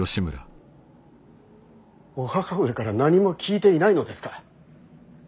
お母上から何も聞いていないのですか。